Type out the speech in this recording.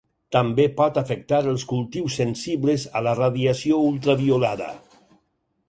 També pot afectar els cultius sensibles a la radiació ultraviolada.